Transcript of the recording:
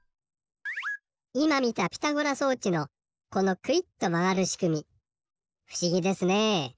いまみたピタゴラ装置のこのクイッとまがるしくみふしぎですね。